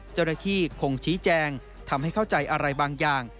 เจ้าหน้าที่คงชี้แจงทำให้เข้าใจอะไรบางอย่าง